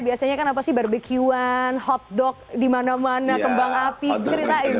biasanya kan apa sih barbecue one hotdog di mana mana kembang api ceritain